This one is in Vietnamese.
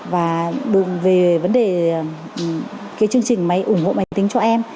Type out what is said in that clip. và về vấn đề chương trình máy ủng hộ máy tính cho em